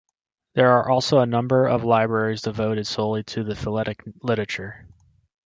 There are also a number of libraries devoted solely to philatelic literature.